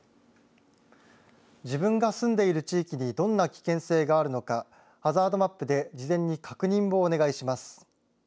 自分が住んでいる地域にどんな危険性があるのかハザードマップで事前に確認をお願いします。